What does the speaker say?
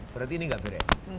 berarti ini enggak beres